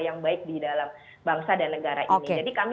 dan juga kita juga sangat peduli sekali